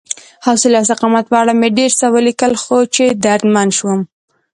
حوصلې او استقامت په اړه مې ډېر څه ولیکل، خو چې دردمن شوم